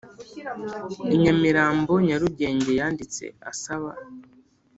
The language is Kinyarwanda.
I Nyamirambo Nyarugenge yanditse asaba